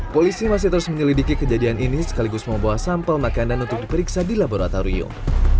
polisi masih terus menyelidiki kejadian ini sekaligus membawa sampel makanan untuk diperiksa di laboratorium